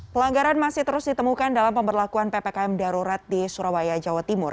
pelanggaran masih terus ditemukan dalam pemberlakuan ppkm darurat di surabaya jawa timur